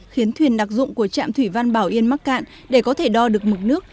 khiến thuyền đặc dụng của trạm thủy văn bảo yên mắc cạn để có thể đo được mực nước